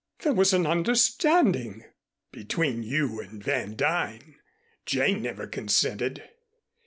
"There was an understanding." "Between you and Van Duyn. Jane never consented."